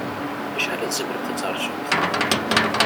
Acḥal i tzemremt ad taṛǧumt?